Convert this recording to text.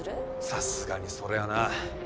さすがにそれはな。